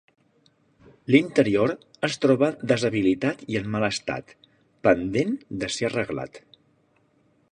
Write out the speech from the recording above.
L’interior es troba deshabitat i en mal estat, pendent de ser arreglat.